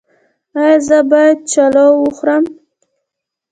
ایا زه باید چلو وخورم؟